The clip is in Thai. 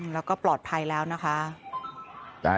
แล้วก็ปลอดภัยแล้วนะคะ